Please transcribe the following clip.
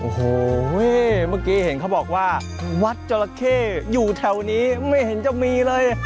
โอ้โหเมื่อกี้เห็นเขาบอกว่าวัดจราเข้อยู่แถวนี้ไม่เห็นจะมีเลย